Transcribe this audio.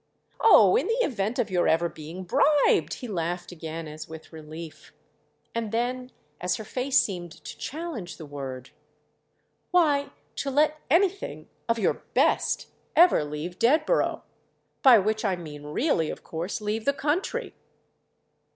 "Oh, in the event of your ever being bribed"—he laughed again as with relief. And then as her face seemed to challenge the word: "Why, to let anything—of your best!—ever leave Dedborough. By which I mean really of course leave the country."